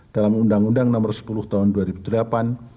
dalam undang undang nomor sepuluh tahun dua ribu delapan